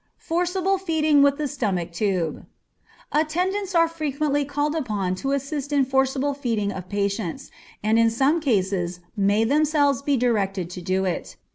Forcible Feeding with the Stomach Tube. Attendants are frequently called upon to assist in the forcible feeding of patients, and in some cases may themselves be directed to do it.